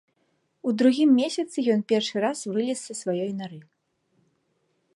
У другім месяцы ён першы раз вылез са сваёй нары.